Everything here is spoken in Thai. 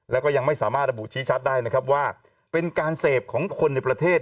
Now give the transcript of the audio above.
แล้วก็ยังไม่สามารถระบุชี้ชัดได้นะครับว่าเป็นการเสพของคนในประเทศ